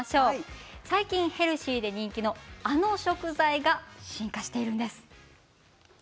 最近ヘルシーで人気のあの食材が進化しているんです。